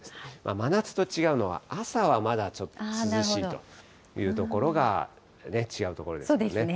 真夏と違うのは、朝はまだちょっと涼しいというところが違うところですね。